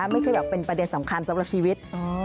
ไม่ใช่แบบเป็นประเด็นสำคัญสำหรับชีวิต